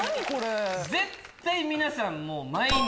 絶対皆さん。